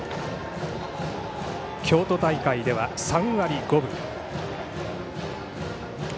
京都大会では３割５分。